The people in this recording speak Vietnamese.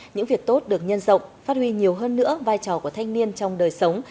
những việc tốt được nhân rộng phát huy nhiều hơn nữa vai trò của thanh niên trong đời sống